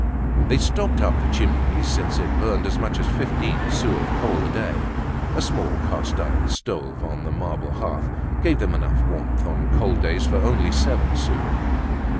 They stopped up the chimney since it burned as much as fifteen sous of coal a day. A small cast iron stove on the marble hearth gave them enough warmth on cold days for only seven sous.